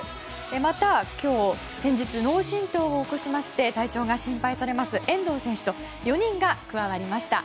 また、今日先日、脳震とうを起こしまして体調が心配されます遠藤選手と４人が加わりました。